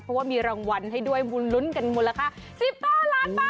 เพราะว่ามีรางวัลให้ด้วยบุญลุ้นกันมูลค่า๑๕ล้านบาท